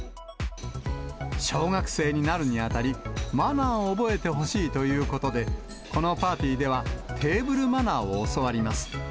小学生になるにあたり、マナーを覚えてほしいということで、このパーティーではテーブルマナーを教わります。